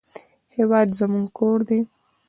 هېواد زموږ کور دی